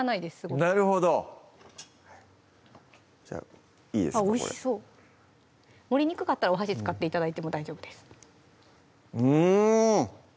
これあっおいしそう盛りにくかったらお箸使って頂いても大丈夫ですうん！